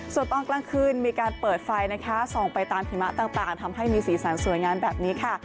ส่วนตอนกลางคืนมีการเปิดไฟนะคะส่องไปตามหิมะต่างทำให้มีสีสันสวยงามแบบนี้ค่ะ